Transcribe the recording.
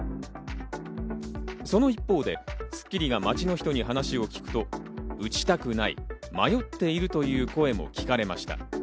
その一方で『スッキリ』が街の人にお話を聞くと、打ちたくない、迷っているという声も聞かれました。